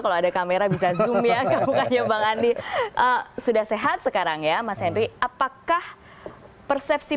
kalau ada kamera bisa zoom ya bukannya bang andi sudah sehat sekarang ya mas henry apakah persepsi